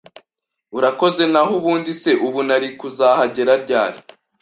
Urakoze , naho ubundi se ubu nari kuzahagera ryari?